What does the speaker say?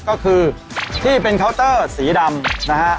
ก็คือที่เป็นเคาน์เตอร์สีดำนะฮะ